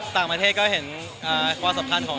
ต่างประเทศก็เห็นความสัมพันธ์ของ